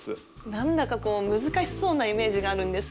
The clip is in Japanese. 何だかこう難しそうなイメージがあるんですけども。